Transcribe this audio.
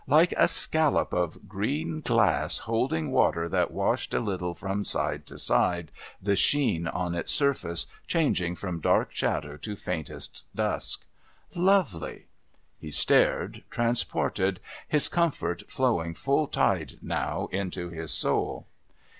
like a scallop of green glass holding water that washed a little from side to side, the sheen on its surface changing from dark shadow to faintest dusk. Lovely! He stared, transported, his comfort flowing full tide now into his soul.